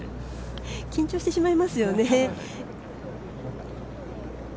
緊張してしまいますよね。